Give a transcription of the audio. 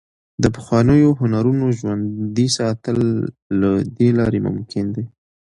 د پخوانیو هنرونو ژوندي ساتل له دې لارې ممکن دي.